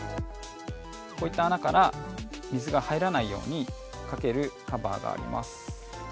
こういった穴から水が入らないようにかけるカバーがあります。